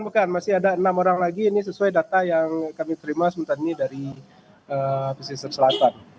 bukan masih ada enam orang lagi ini sesuai data yang kami terima sementara ini dari pesisir selatan